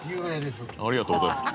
ありがとうございます。